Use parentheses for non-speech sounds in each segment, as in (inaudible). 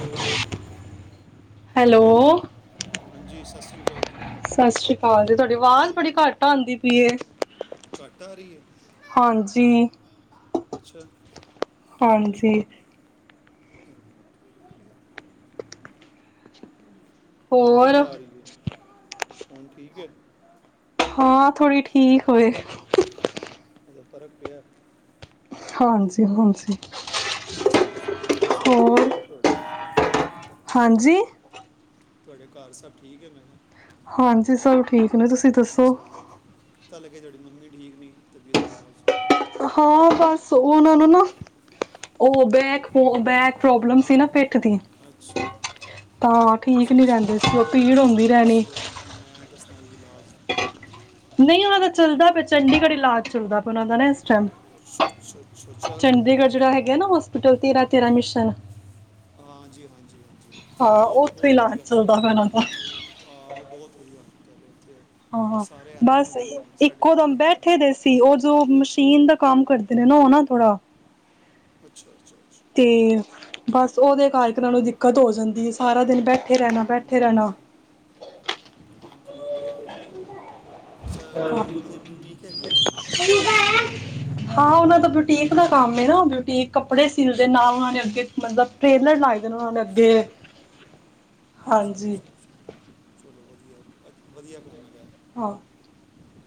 Hello, hello, ਹਾਂਜੀ ਸਾਸਰੀ ਕਾਲ ਜੀ। ਸਾਸਰੀ ਕਾਲ ਜੀ, ਤੁਹਾਡੀ ਆਵਾਜ਼ ਬੜੀ ਘੱਟ ਆਉਂਦੀ ਪਈ ਐ। ਘੱਟ ਆ ਰਹੀ ਆ, ਹਾਂਜੀ ਅੱਛਾ। ਇੱਕ ਹਾਂਜੀ। ਮਿੰਟ ਹੁਣ ਹੋਰ ਕਿਵੇਂ ਆ ਰਹੀ ਐ, ਹੁਣ ਠੀਕ ਐ। ਹਾਂ ਥੋੜ੍ਹੀ ਠੀਕ ਹੋਏ। ਕੋਈ ਫਰਕ ਪਿਆ? ਹਾਂਜੀ-ਹਾਂਜੀ। ਅੱਛਾ-ਅੱਛਾ, ਹੋਰ ਸਭ ਠੀਕ ਐ ਘਰ ਤੁਹਾਡੇ? ਹਾਂਜੀ। ਤੁਹਾਡੇ ਘਰ ਸਭ ਠੀਕ ਐ ਨਾ? ਹਾਂਜੀ, ਸਭ ਠੀਕ ਨੇ ਤੁਸੀਂ ਦੱਸੋ? ਪਤਾ ਲੱਗੇ ਤੁਹਾਡੀ ਮੰਮੀ ਠੀਕ ਨੀ ਤਬੀਅਤ ਖਰਾਬ ਸੀ ਹਾਂ ਬੱਸ ਉਹਨਾਂ ਨੂੰ ਨਾ ਉਹ ਬੈਕ-ਬੈਕ ਪ੍ਰੋਬਲਮ ਸੀ ਨਾ ਪਿੱਠ ਦੀ ਅੱਛਾ ਤਾਂ ਠੀਕ ਅੱਛਾ ਨੀ ਅੱਛਾ ਰਹਿੰਦੇ ਕੀ ਸੀ, ਉਹ ਪੀੜ ਪ੍ਰੋਬਲਮ ਆਉਂਦੀ ਮੈਨੂੰ ਰਹਿਣੀ ਦੱਸੋ ਮੈਂ ਦੱਸਣਾ ਕੋਈ ਇਲਾਜ ਨਹੀਂ ਉਹਨਾਂ ਦਾ ਚੱਲਦਾ ਪਿਆ, ਚੰਡੀਗੜ੍ਹ ਇਲਾਜ ਚੱਲਦਾ ਪਿਆ ਉਹਨਾਂ ਦਾ ਨਾ ਅੱਛਾ ਅੱਛਾ ਅੱਛਾ, ਚੱਲ ਰਿਹਾ ਚੰਡੀਗੜ੍ਹ ਮੇਰਾ ਜਿਹੜਾ ਹੈਗਾ ਇਲਾਜ ਨਾ ਹੋਸਪਿਟਲ ਤੇਰਾ-ਤੇਰਾ ਮਿਸ਼ਨ ਹਾਂਜੀ ਹਾਂਜੀ ਹਾਂਜੀ ਹਾਂ, ਉਹ ਉਥੋਂ ਹੀ ਇਲਾਜ ਚੱਲਦਾ ਵਾ ਉਹਨਾਂ ਦਾ ਆਹ, ਉਹ ਬਹੁਤ ਵਧੀਆ, ਉੱਥੇ ਹਾਂ-ਹਾਂ ਸਾਰੇ ਹੈਲਪ ਹੀ ਬੱਸ ਕਰਦੇ ਨੇ ਸਾਡੇ ਇੱਕੋ ਦਮ ਬਹਿਠ ਕਿੱਥੇ ਦੇ ਸੀ, ਉਹ ਜੋ ਮਸ਼ੀਨ ਦਾ ਕੰਮ ਕਰਦੇ ਨੇ ਨਾ ਉਹ ਨਾ ਥੋੜਾ ਅੱਛਾ-ਅੱਛਾ-ਛਾ। ਅਤੇ ਬੱਸ ਉਹਦੇ ਕਰਕੇ ਉਹਨਾਂ ਨੂੰ ਦਿੱਕਤ ਹੋ ਜਾਂਦੀ ਐ। ਸਾਰਾ ਦਿਨ ਬੈਠੇ ਰਹਿਣਾ, ਹਮ, ਬੈਠੇ ਹਮ, ਰਹਿਣਾ ਯੋ ਤੋਂ ਹੈ, ਅੱਛਾ ਕਿ ਉਹਨਾਂ ਦੀ ਕੀ ਡਿਊਟੀਕ ਹੈਗੀ ਐ। ਹਾਂ, ਉਹਨਾਂ ਦਾ ਬੁਟੀਕ ਦਾ ਕੰਮ ਐ ਨਾ ਬੂਟੀਕ ਕੱਪੜੇ ਸਿਲਦੇ ਨਾਲ ਉਹਨਾਂ ਨੇ ਅੱਗੇ ਮਤਲਬ ਟ੍ਰੇਲਰ ਲਾਏ ਨੇ ਉਹ ਨੇ ਅੱਗੇ ' (inaudible) ਹਾਂਜੀ। ਚਲੋ ਵਧੀਆ ਅੱਛਾ, ਵਧੀਆ ਕੰਮ ਹੈਗਾ। ਹਾਂ।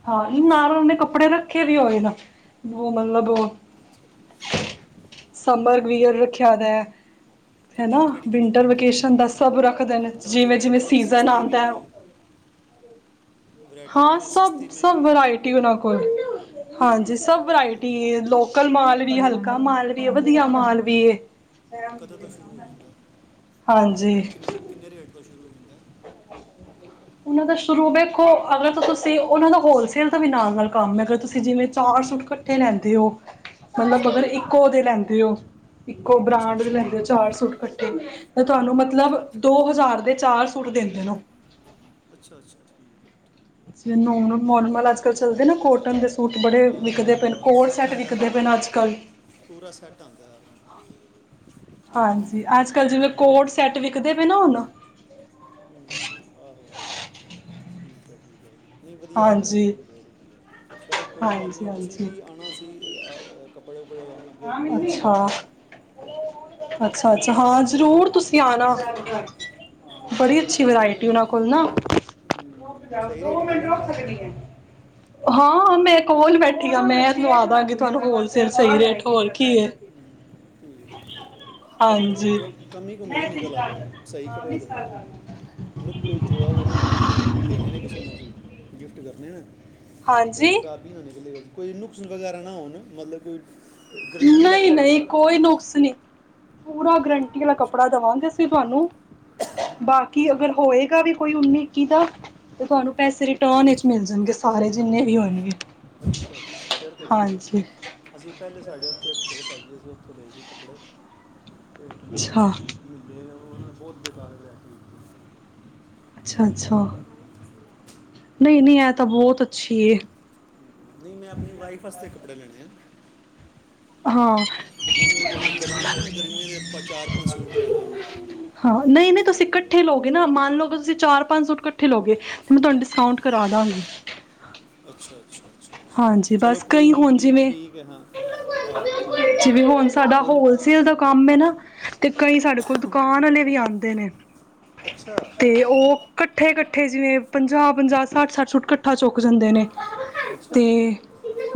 ਹਾਂ, ਇਹ ਨਾਲ ਚਲੋ, ਉਹ‌ਨੇ ਕੱਪੜੇ ਰੱਖੇ ਵੀ ਹੋਏ ਨਾ ਉਹ ਮਤਲਬ ਅੱਛਾ, ਠੀਕ ਸੰਬਰਵਅਰ ਹੈ। ਰੱਖਿਆ ਦਾ ਐ ਹਨਾ ਕਿੰਨੀ ਕਿਹੜੀ ਕਿਹੜੀ ਵਿੰਟਰ ਵੈਰਾਈਟੀ ਹੈਗੀ ਵੇਕੇਸ਼ਨ ਹੈ ਦਾ ਆਪਣਾ ਸਭ ਰੱਖਦੇ ਨੇ ਹਰ ਤਰ੍ਹਾਂ ਦੀ ਜਿਵੇਂ-ਜਿਵੇਂ ਵੈਰਾਈਟੀ ਹੈ ਸੀਜ਼ਨ ਸਸਤੀ ਵੀ ਆਦਾ ਐ। ਹੈਗੀ (inaudible) ਵੈਰਾਈਟੀ ਹਾਂ ਕਿਵੇਂ ਸਸਤੀ ਸਭ-ਸਭ ਮਹਿੰਗੀ ਵਰਾਇਟੀ ਉਹਨਾਂ ਕੋਲ। ਹਾਂਜੀ, ਸਭ ਅਹ, ਮੰਦੇ ਵਰਾਇਟੀ ਏ। ਲੋਕਲ ਮਾਲ ਵੀ, ਹਲਕਾ ਮਾਲ ਵੀ ਐ ਵਧੀਆ, ਮਾਲ ਵੀ ਐ। ਕਦੋਂ ਤੋਂ ਸ਼ੁਰੂ ਹੋ ਜਾਂਦਾ? ਹਾਂਜੀ। ਕਿੰਨੇ ਕਿੰਨੇ ਰੇਟ ਤੋਂ ਸ਼ੁਰੂ ਹੁੰਦਾ? (inaudible) ਉਹਨਾਂ ਦਾ ਸ਼ੁਰੂ ਵੇਖੋ ਅਗਰ ਤਾਂ ਤੁਸੀਂ ਉਹਨਾਂ ਦਾ ਹੋਲਸੇਲ ਦਾ ਵੀ ਨਾਲ-ਨਾਲ ਕੰਮ ਹੈਗਾ ਅਗਰ ਤੁਸੀਂ ਜਿਵੇਂ ਚਾਰ ਸੂਟ ਕ ਕੱਠੇ ਲੈਂਦੇ ਉਹ। ਅੱਛਾ ਮਤਲਬ ਅਗਰ ਇੱਕੋ ਦੇ ਲੈਂਦੇ ਓ ਇੱਕੋ ਅੱਛਾ ਬ੍ਰਾਂਡ ਦੇ ਅੱਛਾ ਲੈਂਦੇ ਓ ਠੀਕ। ਚਾਰ ਸੂਟ ਕੱਠੇ। ਤੇ ਤੁਹਾਨੂੰ ਮਤਲਬ ਅੱਛਾ ਅੱਛਾ ਦੋ ਅੱਛਾ ਹਜ਼ਾਰ ਦੇ ਚਾਰ ਸੂਟ ਦਿੰਦੇ ਓ। ਅੱਛਾ ਛੀ। ਜਿ ਨੋਰਮਲ ਅੱਜ-ਕੱਲ੍ਹ ਚੱਲਦੇ ਨਾ ਕੋਟਨ ਦੇ ਸੂਟ ਬੜੇ ਆਹ, ਵਿਕਦੇ ਹਾਂ ਪਏ ਹਾਂ ਕੋਟ ਸੈੱਟ ਆਂਦਾ ਵਿਕਦੇ ਪੈ ਪੂਰਾ ਅੱਜ-ਕੱਲ੍ਹ। ਪੂਰਾ ਸੈੱਟ ਆਦਾ। ਹਾਂਜੀ, ਅੱਜ-ਕੱਲ੍ਹ ਜਿਵੇਂ ਕੋਟ ਸੈੱਟ ਵਿਖਦੇ ਪਏ ਨਾ ਹੁਣ। ਹੂੰ, ਆਹੋ। ਠੀਕ ਐ। ਨਹੀਂ ਹਾਂਜੀ ਵਧੀਆ-ਵਧੀਆ ਚਲੋ ਕੋਈ ਗੱਲ ਹਾਂਜੀ ਨਹੀਂ ਅਸੀਂ ਹਾਂਜੀ ਵੀ ਆਣਾ ਸੀ। ਅ ਆਹ ਕੱਪੜੇ ਕੁਪੜੇ ਲ ਅੱਗੇ ਵਿਆਹ ਆ ਰਿਹਾ ਨਾ। ਤੇ ਅੱਛਾ-ਅੱਛਾ ਹਾਂ। ਜ਼ਰੂਰ ਤੁਸੀ ਆਣਾ। ਹਾਂ ਬੜੀ ਕੱਪੜੇ ਅੱਛੀ ਖਰੀਦਣੇ ਵਰਾਇਟੀ ਉਹਨਾਂ ਕੋਲ਼ ਨਾ। ਰੁਕ ਹਮ, ਜਾਓ। ਸਹੀ ਰੇਟ ਦੋ ਲਾ ਮਿੰਟ ਲੈਣਗੇ ਰੁੱਖ ਨਾ ਸਕਦੀ ਆ। ਹਾਂ ਮੈਂ ਕੋਲ ਬੈਠੀ ਆ ਮੈਂ ਲਵਾ ਦਾਂਗੀ ਤੁਹਾਨੂੰ ਹੋਲਸੇਲ ਸਹੀ ਰੇਟ। ਹੋਰ ਕੀ ਏ। ਠੀਕ। ਕੱਪੜੇ ਦੀ ਹਾਂਜੀ ਕਮੀ ਕਮੀ ਆ ਨਾ ਨਿਕਲ਼ ਆਵੇ ਸਹੀ ਕੱਪੜਾ ਦੇਣਾ। ਨੁੱਕ ਜੋਵਾ ਉਹ ਨਾ ਮੈਂ ਦੇਣੇ ਨੇ ਕਿਸੇ ਨੂੰ ਗਿਫ਼ਟ ਕਰਨੇ ਨੇ ਐ। ਕੋਈ ਹਾਂਜੀ ਖ਼ਰਾਬੀ ਨਾ ਨਿਕਲੇ ਕੋਈ ਨੁਕਸ ਵਗੈਰਾ ਨਾ ਹੋਣ ਮਤਲਬ ਕੋਈ। ਗਰੰਟੀ ਵਾਲਾ ਕੱਪੜਾ ਨਹੀਂ-ਨਹੀਂ। ਦੇਣਾ ਕੋਈ ਨੁਕਸ ਨੀ। ਪੂਰਾ ਗਰੰਟੀ ਆਲਾ ਅੱਛਾ ਕੱਪੜਾ ਦਵਾਂਗੇ ਅਸੀਂ ਤੁਹਾਨੂੰ, ਬਾਕੀ ਠੀਕ ਅਗਰ ਹੈ। ਹੋਏਗਾ ਵੀ। ਕੋਈ ਉਨੀ ਇੱਕੀ ਦਾ ਤੇ ਤੁਹਾਨੂੰ ਪੈਸੇ ਰਿਟਰਨ ਮਿਲ਼ ਜਾਣਗੇ ਸਾਰੇ ਜਿੰਨੇ ਵੀ ਹੋਣਗੇ। ਅੱਛ ਅੱਛਾ। ਫ਼ਿਰ ਤਾਂ ਵਧੀਆਂ ਹਾਂਜੀ ਅਸੀਂ ਪਹਿਲੇ ਸਾਡੇ ਉੱਥੇ ਲਏ ਸੀ ਕੱਪੜੇ ਤੇ ਅਛਾ। ਮਿਲਦੇ ਉਹਨਾਂ ਬਹੁਤ ਬੇਕਾਰ ਵਰਾਇਟੀ। ਅੱਛਾ ਅੱਛਾ। ਨਹੀਂ-ਨਹੀਂ ਐ ਤਾਂ ਬਹੁਤ ਅੱਛੀ ਏ। ਨਹੀਂ ਮੈਂ ਆਪਣੀ ਵਾਈਫ ਵਾਸਤੇ ਕੱਪੜੇ ਲੈਣੇ ਆ। ਹਾਂ। ਉਹਨੇ ਹਾਂ ਗਰਮੀਆਂ ਨਾ ਗਰਮੀਆਂ ਦੇ ਆਪਾਂ ਚਾਰ ਪੰਜ-ਸੂਟ ਲੈਣੇ ਉਹਨੇ। ਹਾਂ ਨਹੀਂ-ਨਹੀਂ ਤੁਸੀਂ ਇਕੱਠੇ ਨਾ ਮੰਨ ਲਓਗੇ ਤੁਸੀਂ ਚਾਰ ਪੰਜ ਸੂਟ ਇਕੱਠੇ ਲਓਗੇ। ਮੈਂ ਤੁਹਾਨੂੰ ਡਿਸਕਾਊਂਟ ਕਰਾਦਾਗੀ। ਅੱਛਾ ਅੱਛਾ ਅੱਛਾ ਹਾਂਜੀ ਅੱਛਾ। ਚਲੋ ਬਸ ਕੋਈ ਕਈ ਨੀ ਹੁਣ ਠੀਕ ਜਿਵੇਂ ਠੀਕ ਏ ਹਾਂ‌। ਆਹੋ ਠੀਕ ਐ। ਕੋਈ ਨੀ। ਸੇਲ ਦਾ ਕੰਮ ਏ ਨਾ ਤੇ ਕਈ ਸਾਡੇ ਕੋਲ਼ ਦੁਕਾਨ ਆਲੇ ਵੀ ਆਂਦੇ ਨੇ। ਅੱਛਾ ਤੇ ਉਹ ਕੱਠੇ ਕੱਠੇ ਜਿਵੇਂ ਪੰਜਾਹ -ਪੰਜਾਹ ਸੱਠ- ਸੱਠ ਸੂਟ ਕੱਠ ਠਾ ਚੁੱਕ ਜਾਂਦੇ ਨੇ। ਅੱਛਾ ਤੇ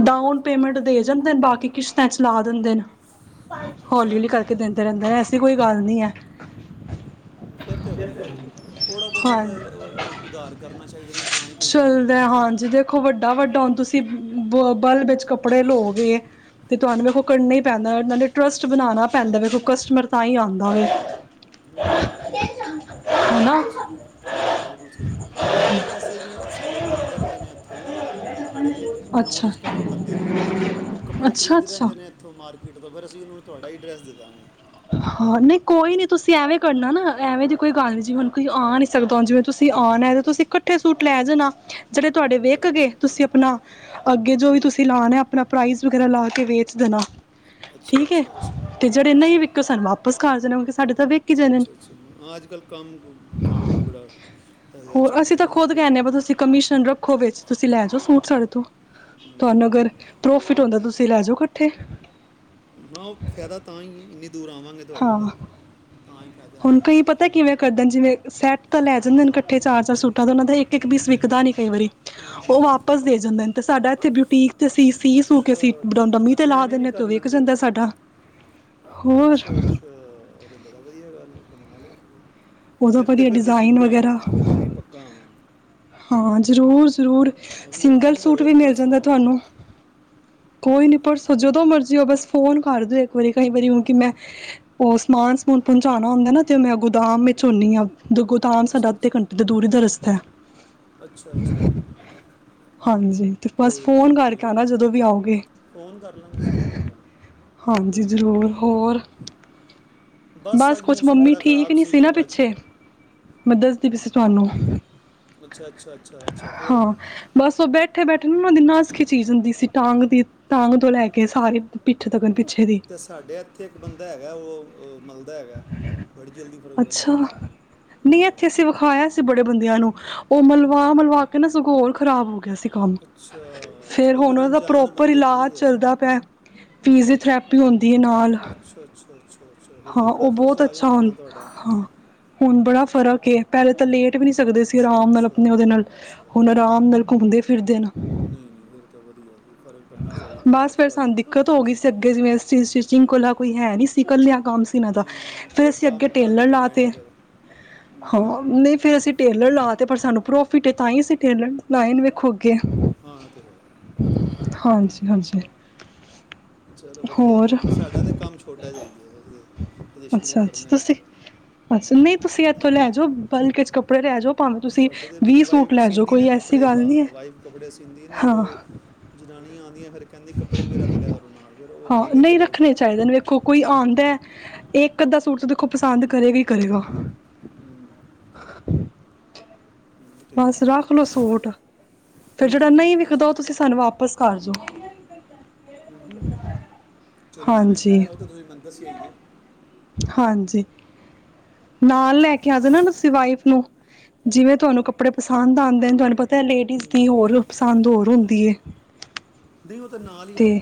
ਡਾਊਨ ਪੇਮੈਂਟ ਦੇ ਜਾਂਦੇ ਨੇ ਬਾਕੀ ਕਿਸ਼ਤਾਂ ਚਲਾ ਦਿੰਦੇ ਨੇ। ਹੌਲੀ ਅੱਛਾ ਹੌਲੀ ਕਰਕੇ ਦਿੰਦੇ ਰਹਿੰਦੇ ਆ ਐਸੀ ਕੋਈ ਗੱਲ ਨ੍ਹੀਂ ਐ। ਫ਼ਿਰ ਤੇ ਵਧੀਆਂ ਆ। ਥੋੜ੍ਹਾ ਬਹੁਤਾ ਹਾਂ ਤਾਂ ਉਧਾਰ ਕਰਨਾ ਚਾਹੀਦਾ ਨਾ। ਤਾਂ ਹੀ ਕੋਈ ਗਾਹਕ ਚੱਲਦਾ ਆਂਦਾ ਅੱਗੇ। ਹਾਂਜੀ ਦੇਖੋ ਵੱਡਾ ਵੱਡਾ ਹੁਣ ਤੁਸੀਂ ਬ ਬਲ ਵਿੱਚ ਕੱਪੜੇ ਲਓਗੇ ਤੇ ਤਹਾਨੂੰ ਵੇਖੋਂ ਹੂੰ ਕਰਨਾ ਹੀ ਪੈਂਦਾ। (unintelligible) ਨੇ ਟਰੱਸਟ ਬਣਾਣਾ ਪੈਂਦਾ ਵੇਖੋ ਕਸਟਮਰ ਤਾਂ ਹੀ ਆਂਦਾ ਵੇ। ਓ ਤੇ ਹੈ ਹਨਾ ਬਿਲਕੁਲ ਸਹੀ ਗੱਲ ਐ। ਬਿਲਕੁਲ ਸਹੀ ਮੇਰੇ ਕੋਲ਼ ਵੈਸੇ ਵੀ ਸਾਡੇ ਕੋਲ਼ ਆਂਦੇ ਰਹਿੰਦੇ ਨੇ ਇੱਥੇ ਵੀ। (unintelligible) ਨੌਨ ਅੱਛਾ 'ਚ ਕਾਫ਼ੀ ਬੰਦੇ ਨੇ ਉਹ ਕੱਪੜੇ ਅੱਛਾ ਖਰੀਦੀਦੇ ਅੱਛਾ ਰਹਿੰਦੇ ਨੇ। ਉੱਥੋਂ ਮਾਰਕੀਟ ਤੋਂ ਫ਼ਿਰ ਅਸੀਂ ਉਹਨਾਂ ਨੂੰ ਤੁਹਾਡਾ ਹੀ ਐਡਰੈੱਸ ਦੇਦਾਂਗੇ। ਹਾਂ ਨਹੀਂ ਕੋਈ ਨੀ ਤੁਸੀਂ ਐਵੇਂ ਕਰਨਾ ਨਾ ਐਵੇਂ ਦੀ ਕੋਈ ਗੱਲ ਨੀ ਜਿਵੇਂ ਹੁਣ ਕੋਈ ਆ ਨੀ ਸਕਦਾ। ਜਿਵੇਂ ਤੁਸੀਂ ਆਣਾ ਤੁਸੀਂ ਕੱਠੇ ਸੂਟ ਲੈ ਜਾਣਾ। ਜਿਹੜੇ ਤੁਹਾਡੇ ਚਲੋ ਵਕਿ ਠੀਕ ਗੇ ਹੈ। ਤੁਸੀਂ ਆਪਣਾ ਅੱਗੇ ਜੋ ਵੀ ਤੁਸੀਂ ਲਾਣਾ ਆਪਣਾ ਪ੍ਰਾਈਜ਼ ਵਗੈਰਾ ਲਾ ਕੇ ਵੇਚ ਦੇਣਾ। ਅੱਛਾ ਠੀਕ ਏ ਅੱਛਾ ਅੱਛਾ ਅੱਛਾ ਜਿਹੜੇ ਅੱਛਾ ਨਹੀਂ ਵਿਕੇ ਸਾਨੂੰ ਵਾਪਿਸ ਕਰ ਜਾਣਾ। ਕਿਉਂਕਿ ਸਾਡੇ ਤਾਂ ਵੇਕ ਅੱਛਾ ਅੱਛਾ ਅੱਜ- ਕੱਲ੍ਹ ਕੰਮ, ਕੰਮ ਵੀ ਬੜਾ ਇਹੋ ਜਿਹਾ ਚੱਲ ਰਿਹਾ ਨਾ। ਢਿੱਲ ਕਮੀਸ਼ਨ ਰੱਖੋਂ ਵਿੱਚ ਤੁਸੀਂ ਲੈ ਜਾਓ ਸੂਟ ਸਾਡੇ ਤੋਂ ਹਮ, ਤਹਾਨੂੰ ਅਗਰ ਹਮ। ਪਰੋਂ ਫਿਟ ਹੁੰਦਾ। ਤੁਸੀਂ ਲੈ ਜੋ ਕੱਠੇ। ਨਾ ਉਹ ਫ਼ਾਇਦਾ ਤਾਂ ਹੀ ਐ। ਇੰਨੀ ਦੂਰ ਆਵਾਂਗੇ ਤੁਹਾਡੇ ਹਾਂ ਕੋਲ਼। ਹੁਣ ਕਈ ਪਤ ਤਾਂ ਕਿਵੇਂ ਕਰਦੇ ਜਿਵੇਂ ਸੈੱਟ ਤਾਂ ਲੈ ਜਾਂਦੇ ਨੇ ਕੱਠੇ ਚਾਰ- ਚਾਰ ਸੂਟਾਂ ਦਾ ਉਹਨਾਂ ਦਾ ਇੱਕ- ਇੱਕ ਪੀਸ ਵਿਕਦਾ ਨੀ ਕਈ ਵਾਰੀ। ਹਮ, ਉਹ ਹਮ, ਵਾਪਸ ਦੇ ਹਮ। ਜਾਂਦੇ ਨੇ। ਤੇ ਸਾਡਾ ਇੱਥੇ ਬਿਊਟੀਕ ਤੇ ਅਸੀਂ ਸੀ ਸੂ ਕੇ ਅੱਛਾ ਅਸੀਂ ਅੱਛਾ ਅੱਛਾ ਡਮੀਂ ਤੇ ਅੱਛਾ ਲਾ ਐਵੇਂ ਵੀ ਦਿੰਨਾ ਆ ਤੇ ਓ ਕਰ ਵਿਕ ਜਾਂਦਾ ਸਾਡਾ। ਹੋਰ ਅੱਛਿਆ- ਅੱਛਿਆ ਆ ਤੇ ਬੜਾ ਵਧੀਆਂ ਗੱਲ ਏ ਕਮਾਲ ਐ। ਉਹਦਾ ਫਿਰ ਤੇ ਵਧੀਆ ਫਿਰ ਤੇ ਡਿਜ਼ਾਇਨ ਜ਼ਰੂਰ ਵਗੈਰਾ ਆਵਾਂਗਾ। ਫਿਰ ਤਾਂ ਅਸੀਂ ਪੱਕਾ ਆਵਾਂਗੇ। ਹਾਂ ਜ਼ਰੂਰ - ਜ਼ਰੂਰ ਅਸੀਂ ਸਿੰਗਲ ਆਵਾਂਗੇ ਸੂਟ ਤੁਹਾਡੇ ਵੀ ਕੋਲ ਮਿਲ ਪਰਸੋਂ ਜਾਂਦਾ ਆਵਾਂਗੇ ਤੁਹਾਨੂੰ। ਕੋਈ ਨੀ ਪਰਸੋ ਜਦੋਂ ਮਰਜ਼ੀ ਹੋ ਬਸ ਫੋਨ ਕਰ ਦਿਓ। ਇਕ ਵਾਰੀ ਕਈ ਵਾਰੀ ਹੁਣ ਕਿ ਮੈਂ ਹਮ, ਉਹ ਸਮਾਨ ਸਮੂਨ ਪਹੁੰਚਾਉਣਾ ਹੁੰਦਾ ਨਾ ਤੇ ਮੈਂ ਗੋਦਾਮ ਵਿੱਚ ਹੁੰਨੀ ਆ। ਦ ਗੋਦਾਮ ਸਾਡਾ ਅੱਛਾ ਅੱਧੇ ਅੱਛਾ ਘੰਟੇ ਦੀ ਦੂਰੀ ਦਾ ਰਸਤਾ। ਅੱਛਾ ਅੱਛਾ ਠੀਕ ਹਾਂਜੀ ਤੇ ਬਸ ਕੋਈ ਨਹੀਂ ਫੋਨ ਨਹੀਂ ਕਰਕੇ ਠੀਕ ਆਨਾ ਹੈ ਜਦੋਂ ਵੀ ਆਉਗੇ। ਫੋਨ ਕਰ ਲਾਂਗੇ ਅਸੀਂ ਕੋਈ ਗੱਲ ਨਹੀਂ, ਹਾਂਜੀ ਕੋਈ ਇਸ਼ੂ ਜ਼ਰੂਰ ਨਹੀਂ ਹੋਗਾ ਹੋਰ ਬਸ ਅੱਜ ਕੁਛ ਮੌਸਮ ਮੰਮੀ ਬੜਾ ਠੀਕ ਖਰਾਬ ਨੀ ਸੀ ਨਾ ਪਿਛ ਅੱਜ ਮੈਂ ਦੱਸਦੀ ਪਈ ਸੀ ਹਮ, ਤੁਹਾਨੂੰ। ਅੱਛਾ- ਅੱਛਾ ਅੱਛਾ - ਅੱਛਾ ਫਿਰ ਹਾਂ ਬਸ ਉਹ ਬੈਠੇ- ਬੈਠੇ ਨਾ ਉਹਨਾਂ ਦੀ ਨਸ ਖਿਚੀਜ ਹੁੰਦੀ ਸੀ ਟਾਂਗ ਦੀ। ਟੰਗ ਤੋਂ ਲੈ ਕੇ ਸਾਰੇ ਪਿੱਠ ਤੱਕ ਪਿੱਛੇ ਦੀ। ਤੇ ਸਾਡੇ ਇੱਥੇ ਇੱਕ ਬੰਦਾ ਹੈਗਾ। ਉਹ ਉਹ ਮਲਦਾ ਹੈਗਾ ਬੜੀ ਜਲਦੀ ਫਰਕ ਅੱਛਾ ਪੈਂਦਾ। ਨਹੀਂ ਆਹੋ। ਇੱਥੇ ਅਸੀਂ ਵਿਖਾਇਆ ਸੀ ਬੜੇ ਬੰਦਿਆਂ ਨੂੰ ਉਹ ਮਲਵਾ- ਮਲਵਾ ਕੇ ਨਾ ਸਗੋ ਹੋਰ ਖ਼ਰਾਬ ਹੋ ਗਿਆ ਸੀ। ਕੰਮ ਅੱਛਾ ਅੱਛਾ, ਫਿਰ ਉਹ ਹੁਣ ਉਹਦਾ ਅਣਜਾਣ ਪ੍ਰੋਪਰ ਬੰਦੇ ਹੋਣੇ ਇਲਾਜ ਜੇ ਚੱਲਦਾ ਪਿਆ। ਫਿਜੀਓਥੈਰੇੈਪੀ ਹੁੰਦੀ ਏ ਨਾਲ ਅੱਛਾ- ਅੱਛਾ- ਅੱਛਾ ਅੱਛਾ ਫਿਰ ਤਾਂ ਹਾਂ ਬੜਾ ਉਹ ਬਹੁਤ ਖਰਚਾ ਆ ਅੱਛਾ ਜਾਂਦਾ ਹੁਣ ਹੋਣਾ ਤੁਹਾਡਾ ਹਾਂ। ਹੁਣ ਬੜਾ ਫ਼ਰਕ ਏ ਪਹਿਲੇ ਤਾਂ ਲੇਟ ਵੀ ਨੀ ਹਮ, ਸਕਦੇ ਸੀ। ਅੱਛਾ ਆਰਾਮ ਨਾਲ ਅੱਛਾ ਆਪਣੇ ਉਹਦੇ ਨਾਲ ਅੱਛਾ ਹੁਣ ਆਰਾਮ ਨਾਲ ਘੁੰਮਦੇ-ਫਿਰਦੇ ਨਾ। ਨਹੀਂ-ਨਹੀਂ ਇਹ ਤਾਂ ਵਧੀਆ, ਘਰੇ ਪੈਣਾ ਚਾਹੀਦਾ ਹੈ ਬਸ ਫਿਰ ਅੱਜ-ਕੱਲ੍ਹ ਸਾਨੂੰ ਦਿੱਕਤ ਹੋ ਗਈ ਸੀ, ਅੱਗੇ ਜਿਵੇਂ ਸਟੀਚਿੰਗ ਕੋਲਾ ਕੋਈ ਹੈ ਨੀ ਸੀ ਕੱਲਿਆ ਕੰਮ ਇੰਨ੍ਹਾਂ ਦਾ, ਅਮ, ਫਿਰ ਅਸੀਂ ਅੱਗੇ ਟੇਲਰ ਲਾ ਤੇ ' (inaudible) ਹਾਂ, ਨਹੀਂ ਫਿਰ ਅਸੀਂ ਟੇਲਰ ਲਾ ਤੇ ਪਰ ਸਾਨੂੰ ਪ੍ਰੋਫਿਟ ਐ ਤਾਂ ਈ ਅਸੀਂ ਟੇਲਰ ਲਾਏ ਵੇਖੋ ਅੱਗੇ। ਹਾਂ, ਇਹ ਤੇ ਹੈ, ਉਹ ਤਾਂ ਹੈ। ਹਾਂਜੀ-ਹਾਂਜੀ। ਚਲੋ ਵਧੀਆ ਜੀ, ਵਧੀਆ ਸਾਡਾ ਤਾਂ ਕੰਮ ਛੋਟਾ ਜਿਹਾ ਈ ਏ। ਅੱਛਾ-ਅੱਛਾ ਤੁਸੀਂ, ਅੱਛਾ ਨਹੀਂ ਤੁਸੀਂ ਇੱਥੋਂ ਲੈ ਜਾਓ। ਬਲਕ 'ਚ' ਕੱਪੜੇ ਲੈ ਜਓ, ਭਾਵੇਂ ਤੁਸੀਂ ਸਾਡੇ ਤੇ ਮੇਰੀ ਵੀਹ ਸੂਟ ਵਾਈਫ ਲੈ ਜਓ ਸਿੰਦੀ ਨਾ ਕੋਈ ਐਸੀ ਕੱਪੜੇ ਗੱਲ ਨੀ ਐ ਹਾਂ ਵਾਈਫ ਕੱਪੜੇ ਸਿੰਦੀ ਨਾ ਫਿਰ ਹਾਂ। ਉਹ ਜਨਾਨੀਆਂ ਆਂਦੀਆਂ ਫਿਰ ਕਹਿੰਦੀ ਕੱਪੜੇ ਵੀ ਰੱਖ ਲਿਆ ਕਰੋ ਨਾਲ ਫਿਰ ਹਾਂ ਕਹਿੰਦੀ ਨਹੀਂ ਚਲੋ। ਰੱਖਣੇ ਚਾਹੀਦੇ ਨੇ ਵੇਖੋ ਕੋਈ ਆਂਦਾ। ਇੱਕ, ਅੱਧਾ ਸੂਟ ਤਾਂ ਦੇਖੋ ਪਸੰਦ ਕਰੇਗਾ ਈ ਕਰੇਗਾ। ਹਮ, ਹਮ, ਉਹ ਤੇ ਹੈ ਬੱਸ, ਰੱਖ ਲੋਓ ਸੂਟ, ਫਿਰ ਜਿਹੜਾ ਠੀਕ ਨਹੀਂ ਹੈ ਵਿਕਦਾ ਵੈਸੇ ਉਹ ਤਾਂ ਤੁਸੀਂ ਸਾਨੂੰ ਵਾਪਸ ਕਰ ਜੋ। ਹੂੰ-ਚਲੋ ਐਵੇਂ, ਹਾਂਜੀ ਏਹ ਤੁਸੀ ਮੈਨੂੰ ਦੱਸਿਆ ਈ ਐ। ਹਾਂਜੀ। ਨਾਲ ਲੈ ਕੇ ਆ ਜਾਣਾ, ਤੁਸੀ ਵਾਈਫ ਨੂੰ, ਜਿਵੇਂ ਤੁਹਾਨੂੰ ਕ ਕੱਪੜੇ ਪਸੰਦ ਆਂਦੇ ਨੇ ਤੁਹਾਨੂੰ ਪਤਾ ਲੇਡੀਜ਼ ਦੀ ਹੋਰ ਪਸੰਦ ਹੋਰ ਹੁੰਦੀ ਏ। ਨਹੀਂ ਉਹ ਤੇ ਨਾਲ ਈ ਆਏ।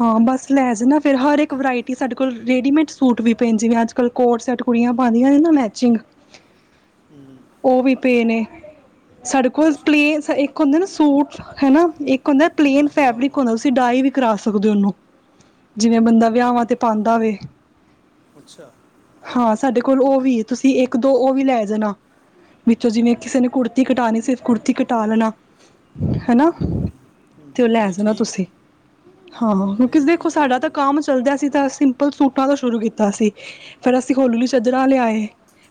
ਹਾਂ, ਬੱਸ ਲੈ ਜਾਣਾ ਫਿਰ ਹਰ ਇੱਕ ਵਰਾਇਟੀ ਸਾਡੇ ਕੋਲ ਰੇਡੀਮੇਡਸ ਸੂਟ ਵੀ ਭੈਣਜੀ ਅੱਜ-ਕੱਲ ਕੋਟ ਸੈਟ ਕੁੜੀਆਂ ਪਾਉਂਦੀਆਂ ਨੇ ਨਾ ਮੈਚਿੰਗ। ਓ ਉਹ ਵੀ ਪਏ ਨੇ, ਸਾਡੇ ਕੋਲ ਪਲੇਨ ਅੱਛਾ ਇੱਕ ਹੁੰਦੇ ਨਾ ਸੂਟ ਹਨਾ, ਇੱਕ ਹੁੰਦਾ ਪਲੇਨ ਆਹੋ ਫੈਬਰਿਕ ਆਹੋ ਹੁੰਦਾ, ਤੁਸੀਂ ਡਾਈ ਵੀ ਹੂੰ ਕਰਾ ਸਕਦੇ ਉਹਨੂੰ, ਜਿਵੇਂ ਬੰਦਾ ਵਿਆਹਵਾਂ ਹੂੰ ਤੇ ਪਾਂਦਾ ਹੋਵੇ। ਅੱਛਾ। ਹਾਂ, ਸਾਡੇ ਕੋਲ ਉਹ ਵੀ ਏ ਤੁਸੀਂ ਇੱਕ, ਦੋ ਉਹ ਵੀ ਲੈ ਜਾਣਾ। ਵਿੱਚੋਂ ਜਿਵੇਂ ਕਿਸੇ ਨੇ ਕੁੜਤੀ ਕਟਾਉਣੀ, ਸਿਰਫ ਕੁੜਤੀ ਕਟਾ ਲੈਣਾ। ' ਹਨਾ (unintelligible) ਤੇ ਉਹ ਲੈ ਜਾਣਾ ਤੁਸੀਂ, ਹਾਂ ਨਹੀਂ ਬਿਕਿਓਜ ਨਹੀਂ ਦੇਖੋ ਠੀਕ ਹੈ ਸਾਡਾ ਤਾਂ ਜ਼ਰੂਰ ਕੰਮ ਚਲਦਿਆ ਸੀ ਤਾਂ, ਸਿੰਪਲ ਸੂਟਾਂ ਤੋਂ ਸ਼ੁਰੂ ਕੀਤਾ ਸੀ ਫੇਰ ਅਸੀਂ ਹੋਲੀ-ਹੌਲੀ ਚੱਦਰਾਂ ਲਿਆਏ।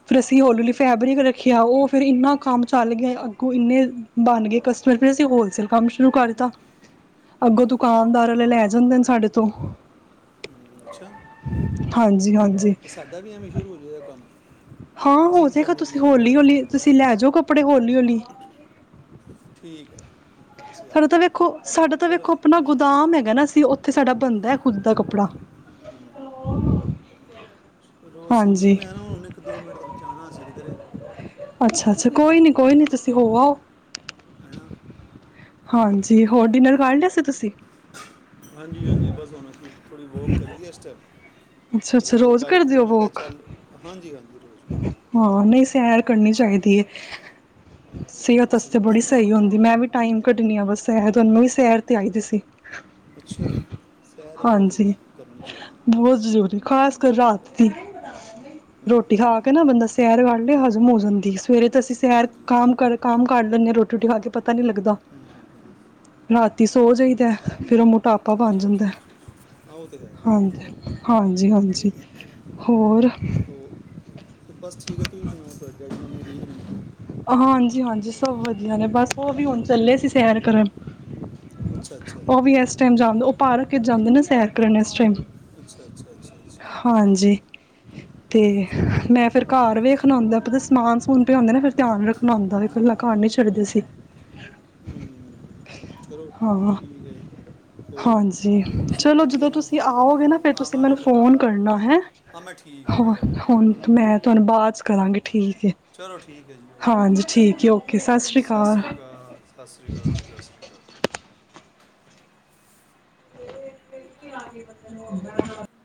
ਫਿਰ ਅਸੀਂ ਹੌਲੀ-ਹੌਲੀ ਫੈਬਰਿਕ ਰੱਖਿਆ ਉਹ ਫਿਰ ਇੰਨਾ ਕੰਮ ਚੱਲ ਗਿਆ ਅੱਗੋਂ ਇੰਨੇ ਬਣ ਗਏ ਕਸਟਮਰ ਫਿਰ ਅਸੀਂ ਹੋਲਸੇਲ ਕੰਮ ਸ਼ੁਰੂ ਕਰ ਤਾ। ਅੱਗੋਂ ਦੁਕਾਨਦਾਰ ਵਾਲੇ ਲੈ ਜਾਂਦੇ ਨੇ ਸਾਡੇ ਤੋਂ ਹੂੰ, ਅੱਛਾ। ਹਾਂਜੀ-ਹਾਂਜੀ। ਦਾ ਵੀ ਐਵੇ ਸੁਰੂ' ' (unintelligible) ਹਾਂ ਹੋਜੇਗਾ ਤੁਸੀਂ, ਹੌਲੀ-ਹੌਲੀ ਤੁਸੀਂ ਲੈ ਜਾਓ, ਕੱਪੜੇ ਹੌਲੀ-ਹੌਲੀ। ਠੀਕ ਐ। ਸਾਡਾ ਤਾਂ ਵੇਖੋ, ਸਾਡਾ ਤਾਂ ਵੇਖੋ ਹੂੰ, ਆਪਣਾ ਗੁਦਾਮ ਗੁਦਾਮ ਹੈਗਾ ਅਸੀਂ, ਉੱਥੇ ਸਾਡਾ ਬਣਦਾ ਹੈ ਦਾ ਖੁਦ ਦਾ ਕੱਪੜਾ ਰੋ ਸੀ ਵੀ ਹਾਂਜੀ ਮੈਂ ਨਾ ਹੁਣ ਇੱਕ, ਦੋ ਮਿੰਟ ਤੱਕ ਜਾਣਾ ਸੀ ਕਿੱਧਰੇ ਅੱਛਾ-ਅੱਛਾ, ਕੋਈ ਨੀ, ਕੋਈ ਨੀ ਤੁਸੀਂ ਹੋ ਆਓ। ਹਨਾ ਤੇ ਹਾਂਜੀ, ਹੋਰ ਡਿਨਰ ਕਰ ਲਿਆ ਸੀ ਤੁਸੀਂ? ਹਾਂਜੀ-ਹਾਂਜੀ, ਬੱਸ ਹੁਣ ਅਸੀਂ ਥੋੜੀ ਵੋਕ ਕਰਲੀ ਇਸ ਟਾਈਮ ਅੱਛਾ ਅਤੇ ਅੱਛਾ ਉਹ ਰੋਜ਼ ਵਾਈਫ ਕਰਦੇ ਨੇ ਹੋ ਮੈਂ ਕਿਹਾ ਵੋਕ ਚੱਲ ਹਾਂਜੀ-ਹਾਂਜੀ ਰੋਜ਼ ਹਾਂ, ਨਹੀਂ ਸੈਰ ਕਰਨੀ ਚਾਹੀਦੀ ਐ ਆਹੋ, ਸਿਹਤ ਬਸ ਆਸਤੇ ਬੜੀ ਸਹੀ ਹੁੰਦੀ ਮੈਂ ਵੀ ਟਾਈਮ ਕੱਢਣੀ ਆ ਬੱਸ ਸ਼ਾਇਦ ਵੀ ਸੈਰ ਤੇ ਆਈ ਦੀ ਸੀ। ਅੱਛਾ, ਸੈਰ ਬਹੁਤ ਜ਼ਰੂਰ ਹਾਂਜੀ ਕਰਨੀ ਚਾਹੀਦੀ ਆ ਬਹੁਤ ਜ਼ਰੂਰੀ ਖ਼ਾਸ ਕਰ ਰਾਤ ਦੀ, ਹੂੰ, ਹੂੰ। ਰੋਟੀ ਖਾ ਕੇ ਨਾ ਬੰਦਾ ਸੈਰ ਕਰ ਲਏ ਹਜ਼ਮ ਹੋ ਜਾਂਦੀ ਆ ਸਵੇਰੇ ਤਾਂ ਅਸੀਂ ਸੈਰ ਹਾਂਜੀ ਹਾਂਜੀ ਕੰਮ ਕ ਕੰਮ ਕਰ ਲੈਂਦੇ ਹਾਂ ਰੋਟੀ ਰੋਟੀ ਖਾ ਕੇ ਪਤਾ ਨਹੀਂ ਲੱਗਦਾ। ਹਮ-ਹਮ। ਰਾਤੀ ਸੋ ਜਾਈਦਾ, ਫਿਰ ਉਹ ਮੋਟਾਪਾ ਬਣ ਅੱਛਾ ਜਾਂਦਾ ਅੱਛਾ ਅੱਛਾ, ਏ। ਅੱਛਾ ਹਾਂ, ਉਹ ਤੇ ਹੈ। ਹਾਂਜੀ-ਹਾਂਜੀ, ਹੋਰ ਬੱਸ ਠੀਕ ਐ, ਤੁਸੀਂ ਸੁਣਾਓ ਤੁਹਾਡੇ ਹਾਂਜੀ-ਹਾਂਜੀ ਸਭ ਵਧੀਆ ਨੇ ਬੱਸ ਉਹ ਵੀ ਹੁਣ ਚੱਲੇ ਸੀ ਸੈਰ ਕਰਨ। ਅੱਛਾ ਅੱਛਾ ਉਹ ਵੀ ਇਸ ਟਾਈਮ ਜਾਂਦੇ, ਉਹ ਪਾਰਕ ਜਾਂਦੇ ਨਾ ਸੈਰ ਕਰਨ ਇਸ ਟਾਈਮ ਅੱਛਾ-ਅੱਛਾ, ਅੱਛਾ-ਅੱਛਾ। ਹਾਂਜੀ, ਤੇ ਚਲੋ ਮੈਂ ਫਿਰ ਵਧੀਆ ਘਰ ਵੇਖਣਾ ਆਉਂਦਾ ਪਤਾ ਸਮਾਨ- ਸਮੂਨ ਪਿਆ ਹੁੰਦਾ ਨਾ ਫਿਰ ਧਿਆਨ ਰੱਖਣਾ ਹੁੰਂਦਾ, ਇਕੱਲਾ ਘਰ ਨੀ ਛੱਡਦੇ ਸੀ। ਹਮ, ਚਲੋ ਹਾਂ ਠੀਕ ਐ ਜੀ। ਹਾਂਜੀ, ਚਲੋ ਜਦੋਂ ਤੁਸੀਂ ਸਰ ਆਓਗੇ ਨਾ ਫਿਰ ਤੁਸੀਂ ਮੈਨੂੰ ਫੋਨ ਕਰਨਾ ਹੈਂ। ਹਾਂ ਮੈਂ ਠੀਕ ਹੈ ਮੈਂ ਹੋ ਤੁਹਾਨੂੰ ਫੋਨ ਹੁਣ ਕਰ ਲਾਂਗਾ ਮੈਂ ਤੁਹਾਨੂੰ ਬਾਅਦ ਕਰਾਂਗੀ ਠੀਕ ਐ ਚਲੋ ਠੀਕ ਹੈ ਜੀ, ਓਕੇ ਜੀ, ਸਤਿ ਸ਼੍ਰੀ ਅਕਾਲ। ਸਾਸ਼੍ਰੀ ਕਾਲ, ਸਾਸ਼੍ਰੀ ਕਾਲ ਜੀ, ਸਾਸ਼੍ਰੀ ਕਾਲ। ' (unintelligible)